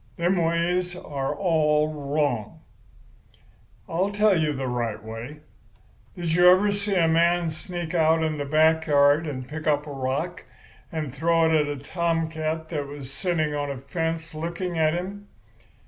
Them ways are all wrong. "I'll tell you the right way. Did you ever see a man sneak out in the back yard and pick up a rock to throw at a tomcat that was sitting on a fence looking at him?